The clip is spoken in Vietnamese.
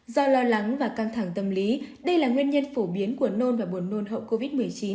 do lo lắng và căng thẳng tâm lý đây là nguyên nhân phổ biến của nôn và buồn nôn hậu covid một mươi chín